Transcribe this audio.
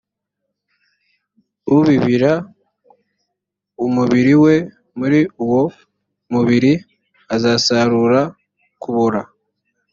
ubibira umubiri we muri uwo mubiri azasarura kubora